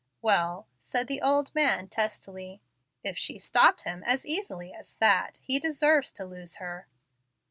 "Well," said the old man, testily, "if she 'stopped' him as easily as that, he deserves to lose her."